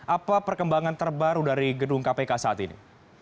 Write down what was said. apa perkembangan terbaru dari gedung kpk saat ini